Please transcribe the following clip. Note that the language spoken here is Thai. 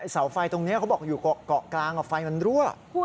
เสาไฟตรงนี้เขาบอกอยู่เกาะกลางไฟมันรั่ว